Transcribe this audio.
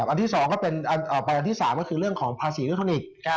อันที่สองก็เป็นอันที่สามก็คือเรื่องของภาษาอิเล็กทรนิก